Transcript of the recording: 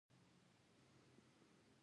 • زده کوونکي د درس لپاره چوپ کښېناستل.